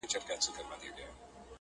o د لښکر په شا کي ځه، په سر کې راځه!